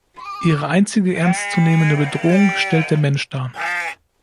Ihre einzige ernstzunehmende Bedrohung stellt der Mensch dar.